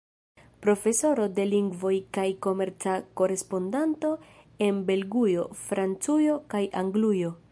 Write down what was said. Profesoro de lingvoj kaj komerca korespondanto en Belgujo, Francujo kaj Anglujo.